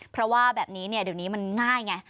เพราะว่าแบบนี้เดี๋ยวนี้มันง่ายไง